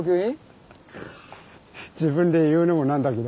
自分で言うのもなんだけど。